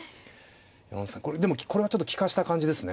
４三銀これでもこれはちょっと利かした感じですね。